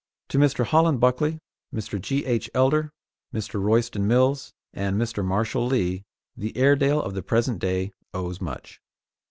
To Mr. Holland Buckley, Mr. G. H. Elder, Mr. Royston Mills, and Mr. Marshall Lee, the Airedale of the present day owes much.